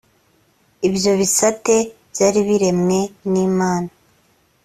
ibyo bisate byari biremwe n’imana